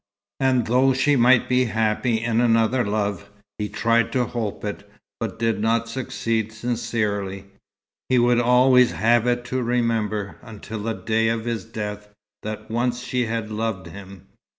And though she might be happy in another love he tried to hope it, but did not succeed sincerely he would always have it to remember, until the day of his death, that once she had loved him.